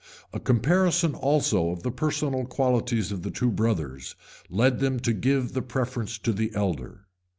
A comparison also of the personal qualities of the two brothers led them to give the preference to the elder.